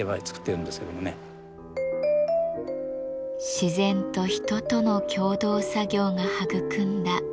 自然と人との共同作業が育んだ結晶です。